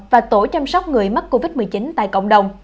và tổ chăm sóc người mắc covid một mươi chín tại cộng đồng